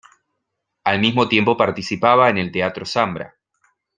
Al mismo tiempo participaba en el Teatro Zambra.